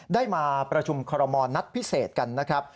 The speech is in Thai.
ได้มาประชุมคอรมณ์นัดพิเศษกันนะครับ